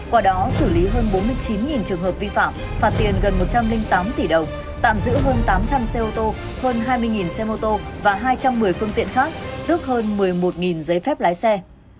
qua đó xử lý hơn bốn mươi chín trường hợp vi phạm phạt tiền gần một trăm linh tám tỷ đồng tạm giữ hơn tám trăm linh xe ô tô hơn hai mươi xe mô tô và hai trăm một mươi phương tiện khác tức hơn một mươi một giấy phép lái xe